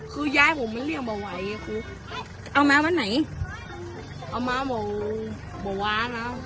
คือยายผมไม่เลี่ยงบ่ไหวเอามาวันไหนเอามาบ่บ่วานะ